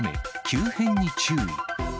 急変に注意。